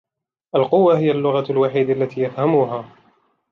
القوّة هي اللغة الوحيدة التي يفهموها.